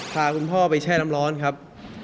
พาคุณพ่อไปแช่น้ำร้อนครับ